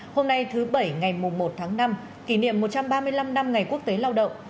hôm nay thứ bảy ngày một tháng năm kỷ niệm một trăm ba mươi năm năm ngày quốc tế lao động